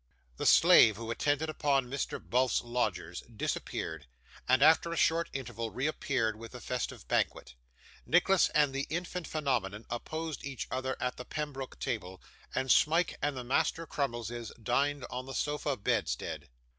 The slave who attended upon Mr. Bulph's lodgers, disappeared, and after a short interval reappeared with the festive banquet. Nicholas and the infant phenomenon opposed each other at the pembroke table, and Smike and the master Crummleses dined on the sofa bedstead.